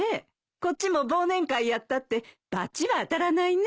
こっちも忘年会やったって罰は当たらないね。